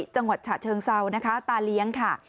จังหวัดฉะเชิงเศร้าตาเลี้ยงค่ะ